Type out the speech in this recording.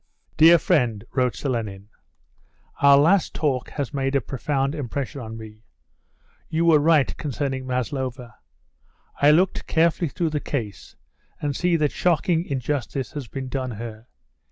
"Dear friend," wrote Selenin, "our last talk has made a profound impression on me. You were right concerning Maslova. I looked carefully through the case, and see that shocking injustice has been done her.